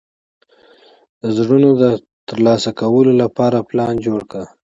د زړونو ترلاسه کولو لپاره پلان جوړ کړ.